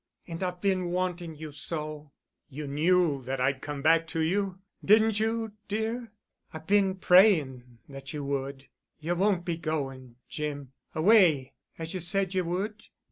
And I've been wanting you so——" "You knew that I'd come back to you, didn't you, dear?" "I've been praying that you would—you won't be going, Jim—away—as you said you would?"